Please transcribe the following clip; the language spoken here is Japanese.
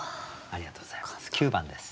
ありがとうございます。